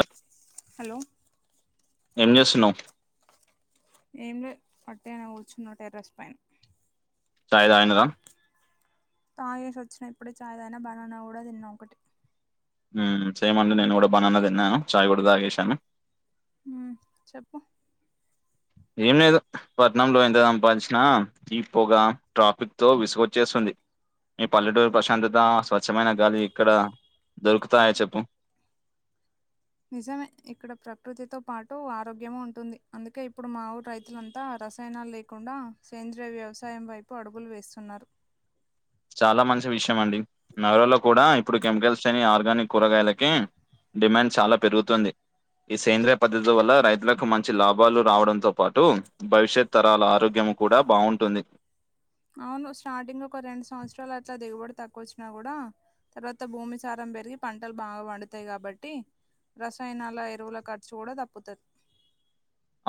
అ ఉమ్ ఏం చేస్తున్నవ్ ఏమి లే అట్టిగనే కూర్చున్న టెర్రెస్ పైన చాయ్ తాగినర తాగేసి ఒచ్చిన ఇప్పుడే చాయ్ తాగిన బనానా కూడ తిన్న ఒకటి ఉమ్ సేమ్ అండి నేను కూడా బనానా తిన్నాను చాయ్ కూడ తాగేశాను ఉమ్ చెప్పు ఏం లేదు పట్నం లో ఎంత సంపాదించిన ఈ పోగ ట్రాఫిక్ తో విసుగొచ్చేస్తుంది ఈ పల్లెటూరు ప్రశాంతత స్వచ్ఛమైన గాలి ఇక్కడ దొరుకుతాయ చెప్పు [inaudible] నిజమే ఇప్పుడు ప్రకృతితో పాటు ఆరోగ్యము ఉంటుంది అందుకే ఇప్పుడు మా ఊరు రైతులంతా రసాయనాలు లేకుండా సేంద్రియ వ్యవసాయం వైపు అడుగులు వేస్తున్నారు [inaudible] చాలా మంచి విషయం అండి నగరంలో కూడా ఇప్పుడు కెమికల్స్ లేని ఆర్గానిక్ కూరగాయలకి డిమాండ్ చాలా పెరుగుతుంది ఈ సేంద్రియ పద్ధతి వల్ల రైతులకు మంచి లాభాలు రావడంతో పాటు భవిష్యత్ తరాల ఆరోగ్యం కూడా బాగుంటుంది అవును స్టార్టింగ్లో ఒక రెండు సంవత్సరాలు అట్లా దిగుబడి తక్కువ వచ్చిన కూడా తర్వాత భూమి సారం పెరిగి పంటలు బాగా వండుతాయి కాబట్టి రసాయనాల ఎరువుల ఖర్చు కూడా తప్పుతుంది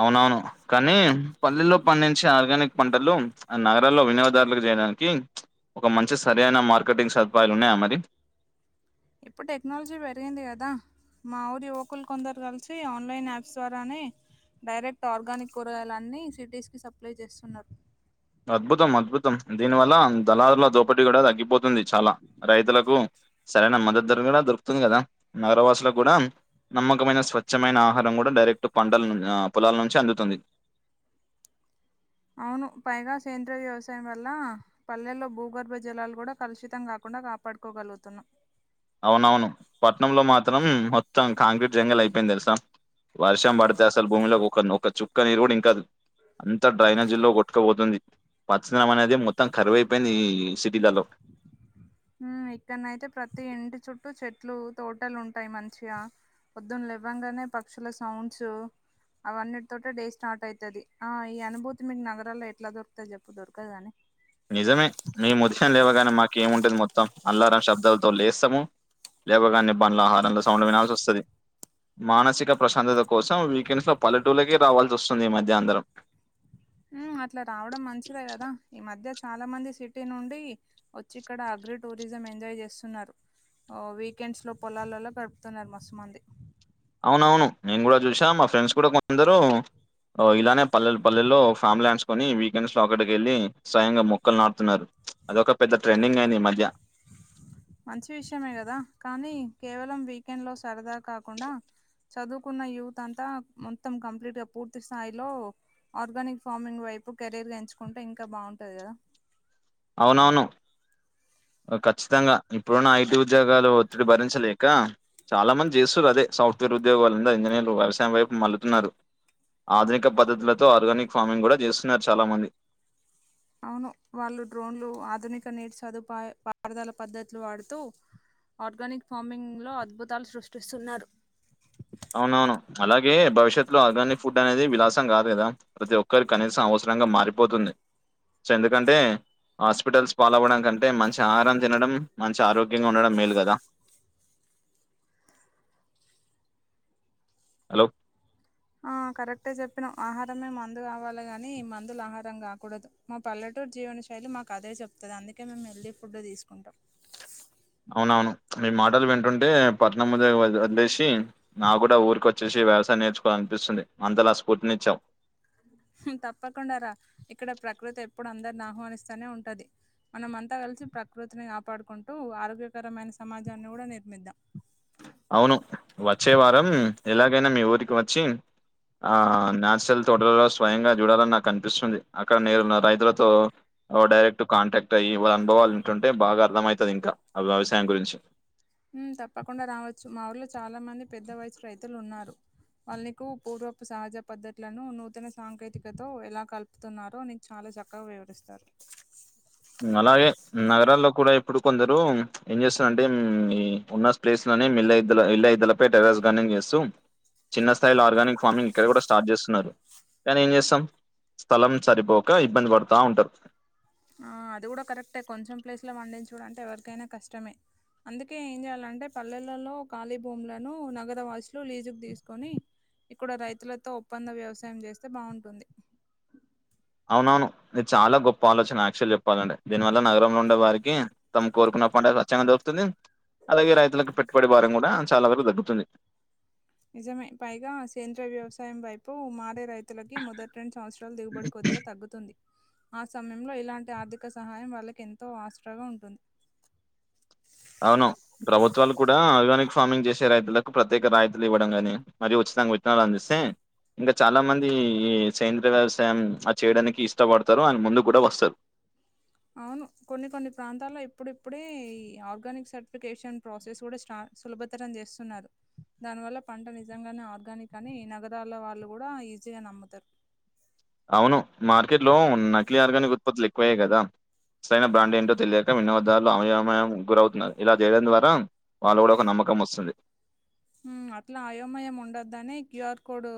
అవునవును కానీ పల్లెల్లో పండించే ఆర్గానిక్ పంటలు ఆ నగరాల్లో వినియోగదారులకి చేయడానికి ఒక మంచి సరైన మార్కెటింగ్ సదుపాయాలు ఉన్నాయా మరి ఇప్పుడు టెక్నాలజీ పెరిగింది కదా మా ఊరి యువకులు కొందరు కలిసి ఆన్లైన్ యాప్స్ ద్వారానే డైరెక్ట్ ఆర్గానిక్ కూరగాయలన్నీ సిటీస్ కి సప్లై చేస్తున్నారు అద్భుతం అద్భుతం దీని వల్ల దళారుల దోపడి కూడా తగ్గిపోతుంది చాలా రైతులకు సరైన మద్దతు ధర కూడా దొరుకుతుంది కదా నగర వాసులకు కూడా నమ్మకమైన స్వచ్ఛమైన ఆహారం కూడా డైరెక్ట్ పంటల పొలాల నుంచి అందుతుంది [inaudible] అవును పైగా సేంద్రయ వ్యవసాయం వల్ల పల్లెల్లో భూగర్భ జలాలు కూడా కలుషితం కా కుండా కాపాడుకోగలుగుతున్నాం అవునవును పట్నంలో మాత్రం మొత్తం కాంక్రీట్ జంగల్ అయిపోయింది తెలుసా వర్షం పడితే అసలు భూమిలో ఒక ఒక చుక్క నీరు కూడా ఇంకదు అంత డ్రైనేజీ లో కొట్టుకపోతుంది పచ్చదనం అనేది మొత్తం కరువైపోయింది ఈ సిటీలలో ఉ ఇక్కనయితే ప్రతి ఇంటి చుట్టూ చెట్లు తోటలు ఉంటాయి మంచిగా పొద్దున్న లేవ్వంగానే పక్షుల సౌండ్స్ అవన్నిటి తోటె డే స్టార్ట్ అయితది ఆ ఈ అనుభూతి మీకు నగరాల్లో ఎట్లా దొరుకుతది చెప్పు దొరకదు గని నిజమే మే ఉదయం లేవగానే మాకేముంటది మొత్తం అల్లారం శబ్దాలతో లేస్తాము లేవగానే బండ్ల హారన్ ల సౌండ్ వినాల్సి వస్తది మానసిక ప్రశాంతత కోసం వీకెండ్స్లో పల్లెటూళ్లకే రావాల్సి వస్తుంది ఈ మధ్య అందరం అట్లా రావడం మంచిదే కదా ఈ మధ్య చాలా మంది సిటీ నుండి వచ్చి ఇక్కడ అగ్రి టూ టూరిజం ఎంజాయ్ చేస్తున్నారు వీకెండ్స్ లో పొలాలలో గడుపుతున్నారు మస్తు మంది అవునవును నేను కూడా చూసా మా ఫ్రెండ్స్ కూడా కొందరు ఇలానే పల్లెలు పల్లెల్లో ఫ్యామిలీ ఆంచుకుని వీకెండ్స్ లో అక్కడి కేళ్ళి స్వయంగా మొక్కలు నాటుతున్నారు అదొక పెద్ద ట్రెండింగ్ అయింది ఈ మధ్య మంచి విషయమే కదా కానీ కేవలం వీకెండ్ లో సరదా కాకుండా చదువుకున్న యుత్ అంతా మొత్తం కంప్లీట్ గా పూర్తి స్థాయిలో ఆర్గానిక్ ఫార్మింగ్ వైపు కెరీర్గా ఎంచుకుంటే ఇంకా బాగుంటది కదా అవునవును ఖచ్చితంగా ఇప్పుడున్న ఐటీ ఉద్యోగాలు ఒత్తిడి భరించలేక చాలా మంది చేస్తురు అదే సాఫ్ట్వేర్ రు ఉద్యోగులందా ఇంజనీర్లు వ్యవసయం వైపు మల్లుతున్నారు ఆధునిక పద్ధతులతో ఆర్గానిక్ ఫార్మింగ్ కూడా చేస్తున్నారు చాలా మంది అవును వాళ్ళు డ్రోన్లు ఆధునిక నీటి సదుపాయ పారుదాల పద్ధతులు వాడుతూ ఆర్గానిక్ ఫార్మింగ్ లో అద్భుతాలు సృష్టిస్తున్నారు అవునవును, అలాగే భవిష్యత్ లో ఆర్గానిక్ ఫుడ్ అనేది విలాసం కాదు కదా. ప్రతి ఒక్కరి కనీసం అవసరంగా మారిపోతుంది. సో ఎందుకంటే హాస్పిటల్స్ పాలవ్వడం కంటే మంచి ఆహారం తినడం, మంచి ఆరోగ్యంగా ఉండడం మేలు కదా. హలో ఆ కరెక్టే జేప్పినవ్ ఆహారమే మందు గావాలే గాని, ఈ మందులు ఆహారం కాకూడదు మా పల్లెటూరు జీవనిష్ శైలి మాకు అదే జెప్తది. అందుకే మేము హెల్దీ ఫుడ్ తీసుకుంటాం. అవునవును మీ మాటలు వింటుంటే పట్నం ముదే వదిలేసి నా గూడా ఊరికి వచ్చేసి ఈ వ్యవసాయం నేర్చుకోవాల అనిపిస్తుంది అంతలా స్ఫూర్తినిచ్చావ్. ఇప్పుడు అందరిని ఆహ్వానిస్తనే ఉంటది. మనం అంతా కలిసి ప్రకృతిని కాపాడుకుంటూ ఆరోగ్యకరమైన సమాజాన్ని గూడా నిర్మిందాం. అవును వచ్చే వారం ఎలాగైనా మీ ఊరికి వచ్చి ఆ నచ్చరల్ తోటలలో స్వయంగా చూడాలని నాకు అనిపిస్తుంది అక్కడ నేరు రైతులతో ఆగో డైరెక్ట్ కాంటాక్ట్ అయ్యి వాళ్ళ అనుభవాలు ఉంటుంటే బాగా అర్థంమవుతది ఇంకా ఆ వ్యవసాయం గురించి ఉహ్ తప్పకుండా రావచ్చు. మా ఊర్లో చాలా మంది పెద్ద వయసు రైతులు ఉన్నారు. వాళ్ళు నీకు పూర్వపు సహజ పద్ధతులను నూతన సాంకేతికతో ఎలా కలుపుతున్నారో నీకు చాలా చక్కగా వివరిస్తారు. ఉమ్ అలాగే నగరాల్లో కూడా ఇప్పుడు కొందరు ఏం చేస్తారంటే ఉమ్ మీ ఉన్న ప్లేస్ అనే మీలైద్దుల ఇళ్ళైధులపై టెరెస్ గానింగ్ ఏస్తూ చిన్న స్థాయిలో ఆర్గానిక్ ఫార్మింగ్ ఇక్కడ కూడా స్టార్ట్ జేస్తున్నారు. కానీ ఏం జేస్తాం స్థలం సరిపోక ఇబ్బంది పడతా ఉంటారు. ఆ అది కూడా కరెక్టే, కొంచెం ప్లేస్లో వండించుడంటే ఎవరికైనా కష్టమే. అందుకే ఏం జేయాలంటే పల్లెలలో ఖాళీ భూములను నగర వాసులు లీజుకు తీసుకొని ఇక్కడ రైతులతో ఒప్పంద వ్యవసాయం చేస్తే బావుంటుంది. అవునవును, ఇది చాలా గొప్ప ఆలోచన యాక్చువల్ చెప్పాలంటే దీనివల్ల నగరంలో ఉండే వారికి తము కోరుకున్నప్పటే స్వచ్చ్చంగా దొరుకుతుంది. అలాగే రైతులకు పెట్టుబడి భారం కూడా చాలా వరకు దగ్గుతుంది. నిజమే పైగా సేందర్రియ వ్యవసాయం వైపు మారే రైత్ తులకి మొదటి రెండు సంవత్సరాల్ దిగుబడి కొద్గా తగ్గుతుంది. ఆ సమయంలో ఇలాంటి ఆర్థిక సహాయం వాళ్ళకి ఎంతో ఆస్త్రగా ఉంటుంన్ అవును ప్రభుత్వాలు కూడా ఆర్గానిక్ ఫార్మింగ్ చేసే రైతులకు ప్రత్యేక రాయితులు ఇవ్వడం గాని మరి ఉచ్చిత్ తంగ్ వెట్నర్ అన్పిసే ఇంకా చాలా మంది ఈ సేంద్రియా వ్యవసాయం అది చేయడానికి ఇష్టవడతారో అన్ ముందు కూడా వస్తారు. అవును, కొన్ని కొన్ని ప్రాంతాల్లో ఇప్పుడిప్పుడే ఈ ఆర్గానిక్ సర్టిఫికేషన్ ప్రాసెస్ కూడా స్టా సులభతరం జేసున్నారు. దానివల్ల పంట నిజంగానే ఆర్గానిక్ అని నగదాల వాళ్ళు గూడా ఈజీగా నమ్ముతర్. అవును మార్కెట్ లో నకిలీ ఆర్గానిక్ ఉత్పత్తులు ఎక్కువై గదా. సరైన బ్రాండ్ ఏంటో తెలియక వినియోదారులు అవయమయం గురవుతున్నారు ఇలా జేయడం ద్వారా వాళ్ళ గూడా ఒక నమ్మకం వసుంది. హు అట్లా అయోమయం ఉండొద్దనే క్యూఆర్ కోడు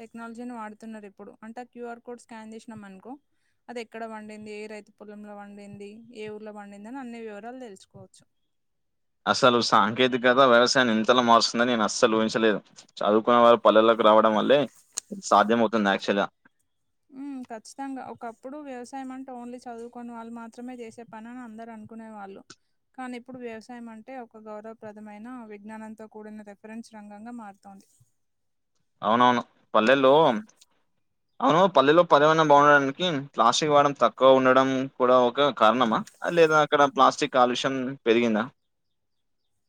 టెక్నాలజీని వాడుతున్నారు ఇప్పుడు అంటే క్యూఆర్ కోడ్ స్కాన్ జేశనం అనుకో అది ఎక్కడ పండింది ఏ రైతు పొలంలో పండింది ఏ ఊర్లో పండింది అని అన్ని వివరాలు తెలుసుకోవచ్చు. అసలు సాంకేతికత వ్యవసాయాన్ని ఇంతలా మారుస్తుందని నేను అస్సలు ఊహించలేదు చదువుకున్న వారు పల్లెలో రావడం వల్లే సాధ్యం అవుతుంది యాక్చవల్ గా హు ఖచ్చితంగా ఒకప్పుడు వ్యవసాయం అం ఓన్లీ చదువుకొని వాళ్ళు మాత్రమే చేసే పని అని అందరు అనుకునే వాళ్ళు కానీ ఇప్పుడు వ్యవసాయం అంటే ఒక గౌరవప్రదమైన విజ్ఞానంతో కూడిన రెఫరెన్స్ రంగంగా మారుతోంది. అవునవును పల్లెల్లో. అవును పల్లెలో పరియవరణం బాగుండడానికి ప్లాస్టిక్ వాడడం తక్కువ ఉండడం కూడా ఒక కారణమా. లేదా అక్కడ ప్లాస్టిక్ పాలషన్ పెరిగిందా.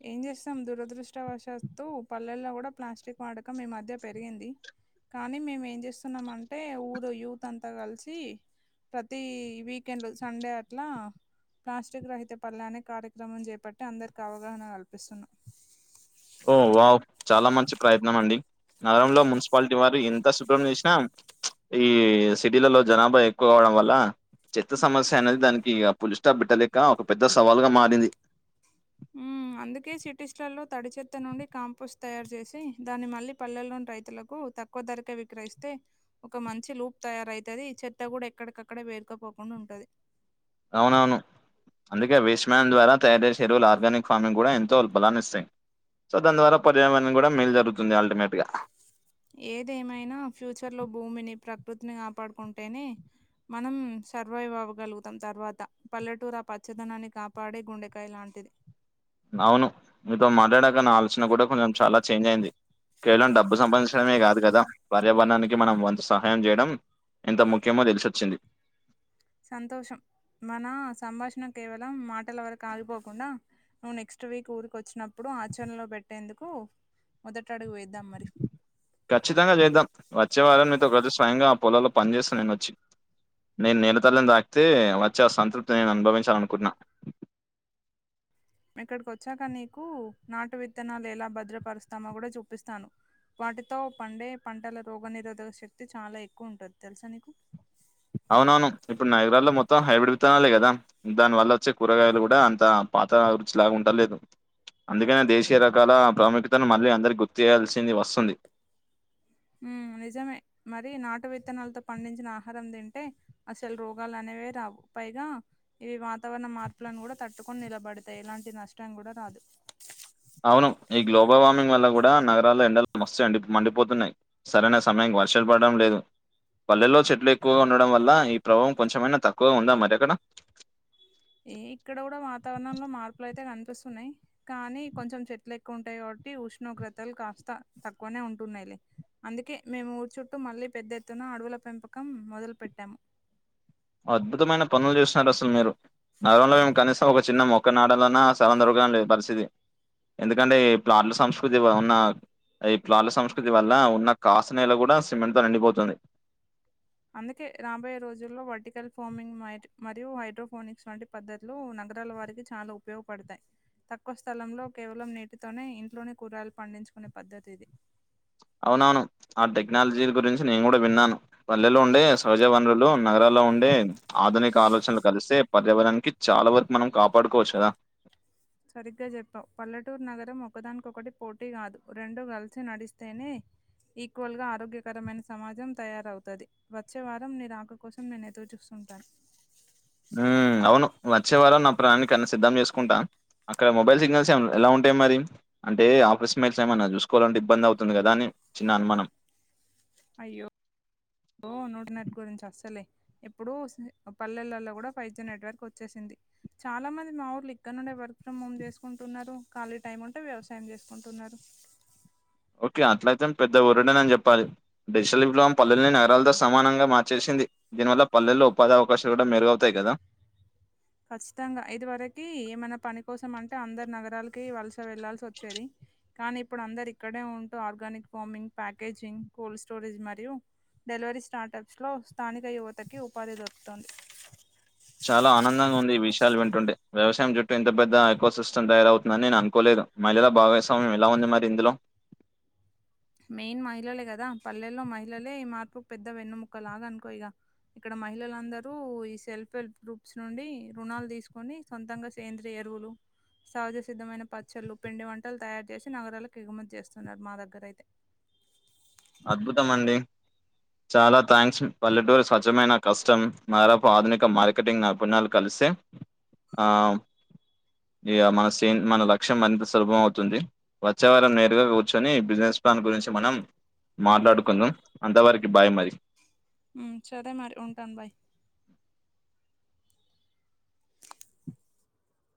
ఏం చేస్తాం దురదృష్టవశాతు పల్లెల్లో కూడా ప్లాస్టిక్ వాడకం ఈ మధ్య పెరిగింది. కానీ మేము ఏం చేస్తున్నామ అంటే ఊరు యూత్ అంతా కలిసి ప్రతి వీకెండ్ సండే అట్లా ప్లాస్టిక్ రహిత పల్లనే కార్యక్రమం చేపట్టి అందరికీ అవగాహన కల్పిస్తున్నా. ఓ వాహ్ చాలా మంచి ప్రయత్నం అండి నగరంలో మున్సిపాలిటీ వారు ఎంత శుభ్రం చేసు ఈ సిటీలలో జనాభా ఎక్కువ అవ్వడం వల్ల చెత్త సమస్య అనేది దానికి ఇక పులిస్టాబిట్టలేక ఒక పెద్ద సవాల్గా మారింది. ఉ అందుకే సిటీస్ లో తడిచత్త నుండి కాంపోస్ట్ తయారు చేసి దాన్ని మళ్ళీ పల్లెలోని రైతులకు. తక్కువ ధరక విక్రయిస ఒక మంచి లూప్ తయారవుతుది చెత్త కూడా ఎక్కడికక్కడ వేరుకుపోకుండా. ఉంటది అవునవును అందుకే వేష్మ్యాన్ ద్వారా తయారు చేసే ఎరువుల ఆర్గానిక్ ఫార్మింగ్ కూడా ఎంతో బలాన్నిస్తాయి. సో దాని ద్వారా పర్యావరణం కూడా మేలు జరుగుతుంది అల్టిమేట్ గా. ఏదేమైనా ఫ్యూచర్లో భూమిని ప్రకృతిని కాపాడుకుంటేనే. మనం సర్వైవ్ అవ్వగలుగుతాం తర్వాత పల్లెటూరు పచ్చదనాన్ని కాపాడే గుండెకాయ లాంటి. ది అవును మీతో మాట్లాడాక నా ఆలోచన కూడా కొంచెం చాలా చేంజ్ అయింది. కేవలం డబ్బు సంపాదించడమే కాదు కదా పర్యావరణానికి మనం వంత సహాయం చేయడం. ఎంత ముఖ్యమో తెలిసొచ్చింది. సంతోషం మన సంభాషణ కేవలం మాటల వరకు ఆగిపోకుండా. నువ్వు నెక్స్ట్ వీక్ ఊరికి వచ్చినప్పుడు ఆచరణలో పెట్టేందుకు మొదటి. ఖచ్చితంగా చేద్దాం వచ్చే వళ్ళని మీతో ఆ పొలల్లో పనిచేస్త నేనొచ్చి. నేను నేలతల్లిని తాకితే వచ్చి సంతృప్తిని నేను అనుభవించాల అనుకుంటున్నా. ఇక్కడికిచ్చాక నీకు నాటు విత్తన లేలా భద్రపరుస్తామో కూడా చూపిస్తాను. వాటితో పండే పంటల రోగ నిరోధక శక్తి చాలా ఎక్కువ ఉంటుది తెలుసా నీకు అవునవును ఇప్పుడు నాగరాల్లో మొత్తం హై విడిపుతునాలే కదా దాని వల్ల వచ్చే కూరగాయలు కూడా అంత. అంత రచిలాగా ఉండలేదు. అందుకనే దేశీయ రకాల ప్రాముఖ్యతను మళ్ళీ అందరికీ గుర్తు చేయాల్సింది వస్తుంది. నిజమే మరి నాటు విత్తనాలతో పండించిన ఆహారం తింటే అసలు రోగాలు అనే రావు పైగా ఇవి వాతావరణ మార్పులను కూడా తట్టుకని నిలబడతాయి ఎలాంటి నష్టం కూడా రాదు. అవును ఈ గ్లోబల్ వార్మింగ్ వల్ల కూడా నగరాల్లో ఎండలు మస్తు మండి మండిపోతున్నాయి సరైన సమయం. వర్షాలు పడడం లేదు పల్లెల్లో చెట్లు ఎక్కువగా ఉండడం వల్ల ఈ ప్రభావం కొంచెమైనా తక్కువగా ఉందా మరి ఎక్కడ ఏ ఇక్కడ కూడా వాతావరణంలో మార్పులు అయితే కనిపిస్తున్నాయి కానీ కొంచెం చెట్లు ఎక్కువ ఉంటాయి కాబ టి ఉష్ణోగ్రతలు కాస్త తక్కువనే ఉంటున్నాయి అందుకే మేము ఊరు చుట్టూ మళ్ళీ పెద్ద ఎత్తున అడవుల పెంపకం మొదలుపెట్టాము అద్భుతమైన పనులు చేస్తున్నారు అసలు మీరు నగరంలో మేము కనీసం ఒక చిన్న మొక్క నాటాలన్న స్థలం దొరకటం లేదు పరిస్థితి ఎందుకంటే ప్లాట్ల సంస్కృతి ఉన్న ఈ ప్లాట్ల సంస్కృతి వల్ల ఉన్న కాస్త నేల కూడా సిమెంట్ తో నిండిపోతుంది. అందుకే రాబోయే రోజుల్లో వర్టికల్ ఫార్మింగ్ మ మరియు హైడ్రోఫోనిక్స్ వంటి పద్ధతులు నగరాల వారికి చాలా ఉపయోగపడతాయి తక్కువ స్థలం కేవలం నీటితోనే ఇంట్లోనే కూరగాయలు పండించుకునే పద్ధతి ఇది అవునవును ఆ టెక్నాలజీ లా గురించి నేను కూడా విన్నాను పల్లెలో ఉండే సహజ వనరులు నగరాలు లో ఉండే ఆధునిక ఆలోచనలు కలిస్తే పర్యావరణానికి చాలా వరకు మనం కాపాడుకోవచ్చు కదా సరిగ్గా చెప్పావు పల్లెటూరు నగరం ఒకదానికొకటి పోటీ కాదు రెండు కలిసి నడిస్తేనే ఈక్వల్ గా ఆరోగ్యకరమైన సమాజం తయారవుతది వచ్చే వారం నీ రాక కోసం నేను ఎదురు చూ బై ఉ అవును వచ్చే వారం నా ప్రయానికి అన్ని సిద్ధం చేసుకుంటా అక్కడ మొబైల్ సిగ్నల్స్ ఎలా ఉంటాయి మరి అంటే ఆఫీస్ మెయిల్స్ ఏమైన్నా చూసుకోవాలంటే ఇబ్బంది అవుతుంది కదా చిన్న అనుమానం అయ్యో ఇంటర్నెట్ గురించి అస్సలే ఇప్పుడు పల్లెలలో కూడా ఫైవ్ జి నెట్ వర్క్ వచ్చేసింది చాలా మంది మా ఊర్లు ఇక్కడ నుండే వర్క్ ఫ్రమ్ హోమ్ చేసుకుంటున్నారు ఖాళీ టైం ఉంటే వ్యవసాయం చేసుకుంటున్నారు ఓకే అట్లయితే పెద్ద ఒరుడన అని చెప్పాలి డెసల్ విప్లం పల్లెల్ని నగరాలతో సమానంగా మార్చేసి దీని వల్ల పల్లెల్లో ఉపాధి అవకాశాలు కూడా మెరుగవుతాయి కదా ఖచ్చితంగా ఇది వరకి ఏమైనా పని కోసం అంటే అందరు నగరాలకి వలస వెళ్లాల్సి వచ్చేది కానీ ఇప్పుడు అందరు ఇక్కడే ఉంటూ organic farming packaging cold storage మరియు డెలివరీ స్టార్టప్స్ లో స్థానిక యువతకి ఉపాధి దొరుకుతుంది చాలా ఆనందంగా ఉంది ఈ విషయాలు వింటుంటే వ్యవసాయం చుట్టూ ఇంత పెద్ద ఇకో సిస్టమ్ తయారవుతుందని నేను అనుకోలేదు మహిళల భాగస్వామ్యం ఎలా ఉంది మరి ఇందులో మెయిన్ మహిళలే కదా పల్లెల్లో మహిళలే ఈ మార్పు పెద్ద వెన్నుముక్క లాగా అనుకో ఇక ఇక్కడ మహిళలందరూ ఈ సెల్ఫ్ హెల్ప్ గ్రూప్స్ నుండి రుణాలు తీసుకొని సొంతంగా సేంద్రీయ ఎరువులు సహజ సిద్ధమైన పచ్చళ్ళు పిండి వంటలు తయారు చేసి నగరాలకు ఎగుమతి చేస్తున్నారు మా దగ్గర అయితే అద్భుతం అండి చాలా థ్యాంక్స్ పల్లెటూరు స్వచ్ఛమైన కష్టం మేదాపు ఆధునిక మార్కెటింగ్ నైపుణ్యాలు కలిసి సేమ్ ఆ ఇక మన సేన్ మన లక్ష్యం మరింత సులభం అవుతుంది వచ్చే వారం నేరుగా కూర్చొని బిజినెస్ దాని గురించి మనం మాట్లాడుకుందాం అంతవరకి బాయ్ మరి ఉమ్ సరే మరి ఉంటాను బాయ్